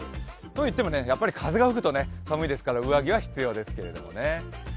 といっても風が吹くと寒いですから上着は必要ですけれどもね。